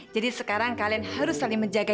jadi sekarang kalian harus saling menjaga